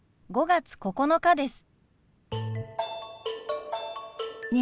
５月９日です。